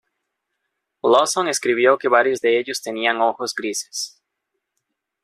Lawson escribió que varios de ellos tenían ojos grises.